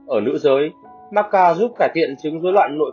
ở nữ giới macca giúp cải thiện chứng dối loạn nội tiết tố